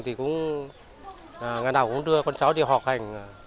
thì cũng ngày nào cũng đưa con cháu đi học hành